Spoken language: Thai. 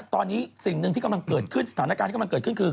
ตอนนี้สิ่งหนึ่งที่กำลังเกิดขึ้นสถานการณ์ที่กำลังเกิดขึ้นคือ